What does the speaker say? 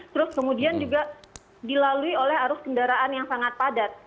terus kemudian juga dilalui oleh arus kendaraan yang sangat padat